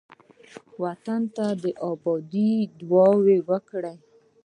وطن ته د آبادۍ دعاوې وکړئ.